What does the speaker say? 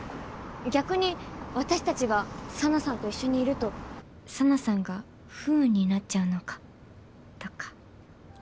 逆に私たちが紗菜さんと一緒にいると紗菜さんが不運になっちゃうのかとか。